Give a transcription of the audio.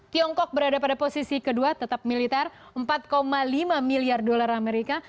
tiongkok berada pada posisi kedua tetap militer empat lima miliar dolar amerika